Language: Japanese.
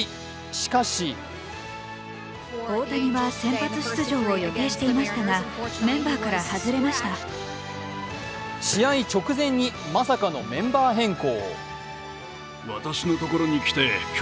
しかし試合直前にまさかのメンバー変更。